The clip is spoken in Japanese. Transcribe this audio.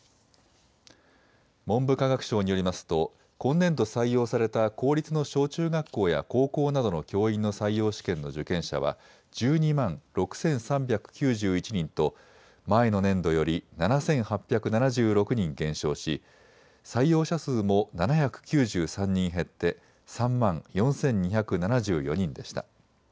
文部科学省によりますと今年度、採用された公立の小中学校や高校などの教員の採用試験の受験者は１２万６３９１人と前の年度より７８７６人減少し、採用者数も７９３人減って３万４２７４人でした。